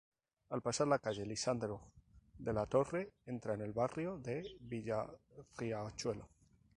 Al pasar la "calle Lisandro de la Torre" entra al barrio de Villa Riachuelo.